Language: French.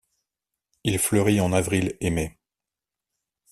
Il fleurit en avril et mai.